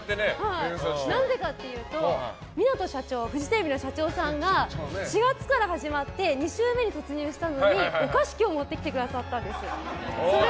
何でかっていうとフジテレビの社長さんが４月から始まって２週目に突入したのにお菓子を今日持って来てくださったんです。